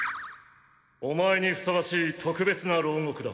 お前にふさわしい特別な牢獄だ。